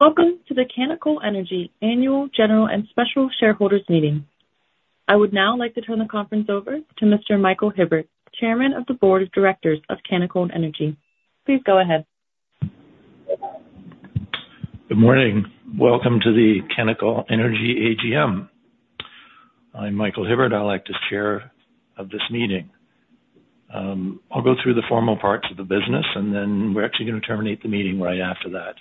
Welcome to the Canacol Energy Annual General and Special Shareholders Meeting. I would now like to turn the conference over to Mr. Michael Hibberd, Chairman of the Board of Directors of Canacol Energy. Please go ahead. Good morning. Welcome to the Canacol Energy AGM. I'm Michael Hibberd. I'll act as Chair of this meeting. I'll go through the formal parts of the business. We're actually going to terminate the meeting right after that.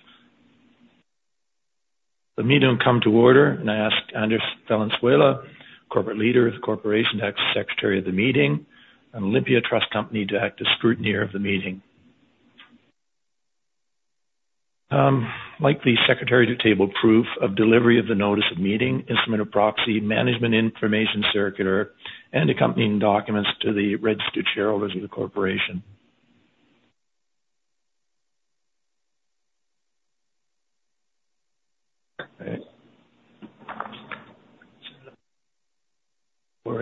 The meeting will come to order. I ask Andrés Valenzuela Pachón, Corporate Leader of the corporation, to act as Secretary of the meeting, and Olympia Trust Company to act as Scrutineer of the meeting. I'd like the Secretary to table proof of delivery of the Notice of Meeting, Instrument of Proxy, Management Information Circular, and accompanying documents to the registered shareholders of the corporation. Where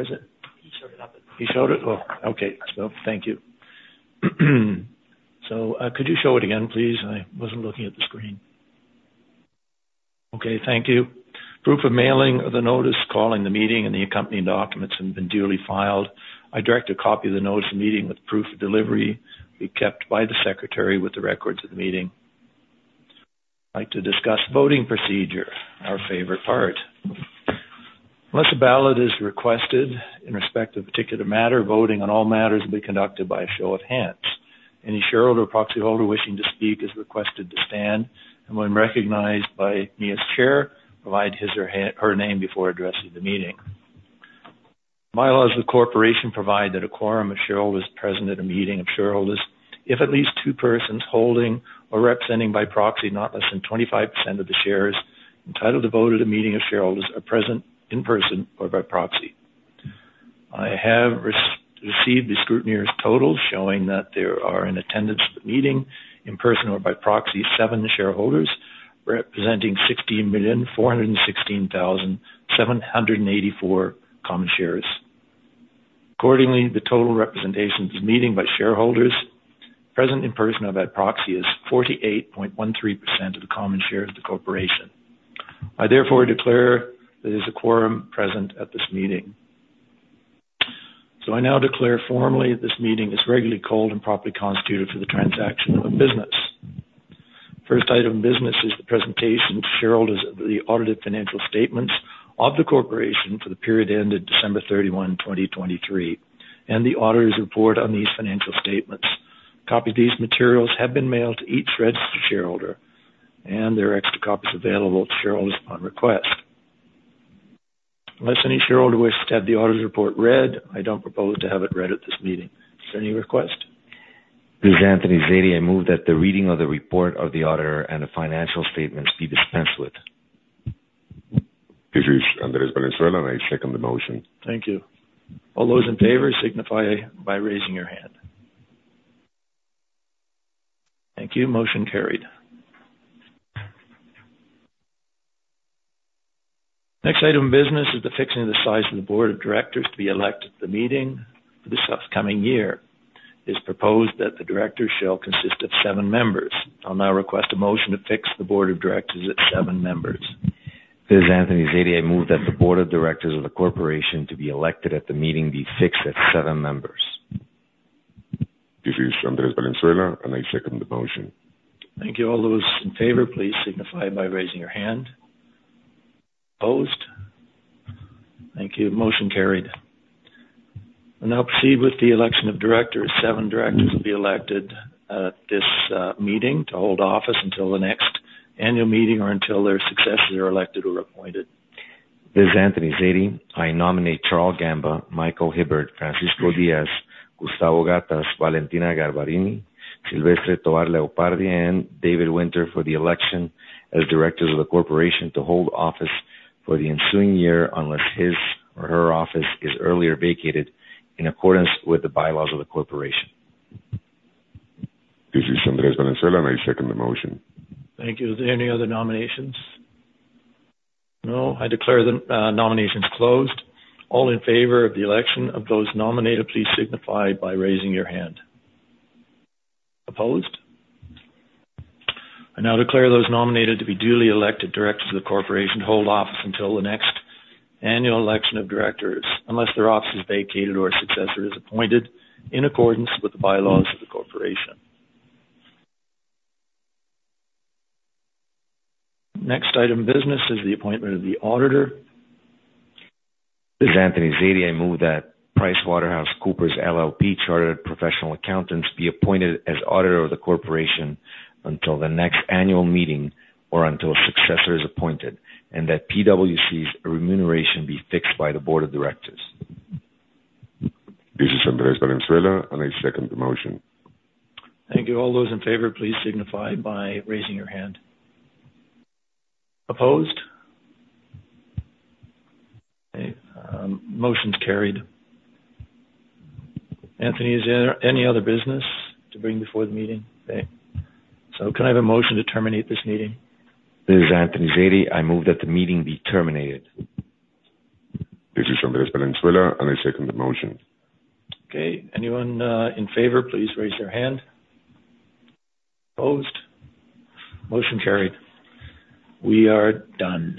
is it? Michael Hibberd. He showed it? Oh, okay. Thank you. Could you show it again, please? I wasn't looking at the screen. Okay, thank you. Proof of mailing of the notice calling the meeting and the accompanying documents have been duly filed. I direct a copy of the notice of meeting with proof of delivery be kept by the Secretary with the records of the meeting. I'd like to discuss voting procedure, our favorite part. Unless a ballot is requested in respect to a particular matter, voting on all matters will be conducted by a show of hands. Any shareholder or proxy holder wishing to speak is requested to stand, and when recognized by me as Chair, provide his or her name before addressing the meeting. Bylaws of the Corporation provide that a quorum of shareholders present at a meeting of shareholders, if at least two persons holding or representing by proxy, not less than 25% of the shares entitled to vote at a meeting of shareholders are present in person or by proxy. I have received the Scrutineer's totals showing that there are in attendance at the meeting in person or by proxy, seven shareholders representing 16,416,784 common shares. Accordingly, the total representation of this meeting by shareholders present in person or by proxy is 48.13% of the common shares of the Corporation. I therefore declare there is a quorum present at this meeting. I now declare formally this meeting is regularly called and properly constituted for the transaction of business. First item of business is the presentation to shareholders of the audited financial statements of the Corporation for the period ended December 31, 2023, and the Auditor's Report on these financial statements. Copies of these materials have been mailed to each registered shareholder, and there are extra copies available to shareholders upon request. Unless any shareholder wishes to have the Auditor's Report read, I don't propose to have it read at this meeting. Is there any request? This is Anthony Zaidi. I move that the reading of the report of the auditor and the financial statements be dispensed with. This is Andrés Valenzuela, and I second the motion. Thank you. All those in favor, signify by raising your hand. Thank you. Motion carried. Next item of business is the fixing of the size of the Board of Directors to be elected at the meeting for this upcoming year. It's proposed that the Directors shall consist of seven members. I'll now request a motion to fix the Board of Directors at seven members. This is Anthony Zaidi. I move that the Board of Directors of the corporation to be elected at the meeting be fixed at seven members. This is Andrés Valenzuela, and I second the motion. Thank you. All those in favor, please signify by raising your hand. Opposed? Thank you. Motion carried. We'll now proceed with the election of directors. Seven directors will be elected at this meeting to hold office until the next annual meeting or until their successors are elected or appointed. This is Anthony Zaidi. I nominate Charle Gamba, Michael Hibberd, Francisco Diaz, Gustavo Gattass, Valentina Garbarini, Silvestre Tovar Leopardi, and David Winter for the election as Directors of the Corporation to hold office for the ensuing year, unless his or her office is earlier vacated, in accordance with the bylaws of the Corporation. This is Andrés Valenzuela, and I second the motion. Thank you. Are there any other nominations? No? I declare the nominations closed. All in favor of the election of those nominated, please signify by raising your hand. Opposed? I now declare those nominated to be duly elected Directors of the Corporation to hold office until the next annual election of Directors, unless their office is vacated or a successor is appointed in accordance with the Bylaws of the Corporation. Next item of business is the appointment of the Auditor. This is Anthony Zaidi. I move that PricewaterhouseCoopers LLP Chartered Professional Accountants be appointed as auditor of the Corporation until the next Annual Meeting or until a successor is appointed, and that PwC's remuneration be fixed by the Board of Directors. This is Andrés Valenzuela, and I second the motion. Thank you. All those in favor, please signify by raising your hand. Opposed? Okay. Motion's carried. Anthony, is there any other business to bring before the meeting? Okay. Can I have a motion to terminate this meeting? This is Anthony Zaidi. I move that the meeting be terminated. This is Andrés Valenzuela, and I second the motion. Okay. Anyone in favor, please raise your hand. Opposed? Motion carried. We are done.